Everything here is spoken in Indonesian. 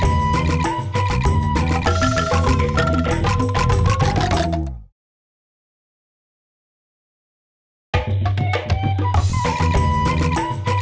teman kamu yang pengangguran masih banyak